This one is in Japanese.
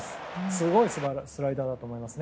すごいスライダーだと思います。